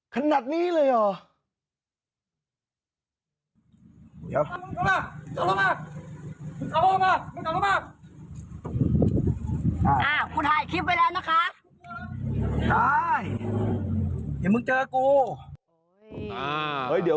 ขนาดนี้เลยอ่อ